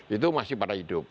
itu masih pada hidup